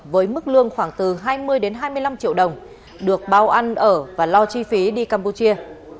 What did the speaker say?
với mức lương khoảng từ hai mươi đến hai mươi năm triệu đồng được bao ăn ở và lo chi phí đi campuchia